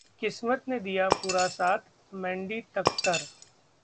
किस्मत ने दिया पूरा साथः मैंडी तक्खर